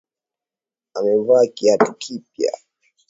Amevaa kiatu kipya.